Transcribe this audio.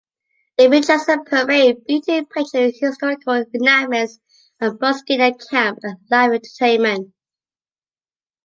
It features a parade, beauty pageant, historical reenactments, a buckskinner camp, and live entertainment.